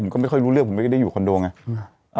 ก็ไม่ค่อยรู้เรื่องผมไม่ได้อยู่คอนโดไง